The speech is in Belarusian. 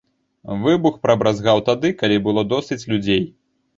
Выбух прабразгаў тады, калі было досыць людзей.